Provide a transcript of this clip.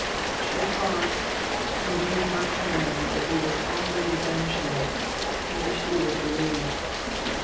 '" She paused, conveying by her manner that he was already vanishing and that she was relieved.